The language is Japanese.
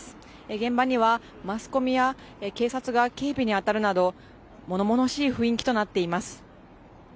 現場にはマスコミや警察が警備に当たるなど物々しい雰囲気となっています。